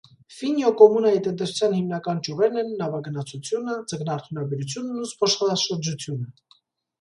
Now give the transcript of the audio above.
Ֆինյո կոմունայի տնտեսության հիմնական ճյուղերն են՝ նավագնացությունը, ձկնարդյունաբերությունն ու զբոսաշրջությունը։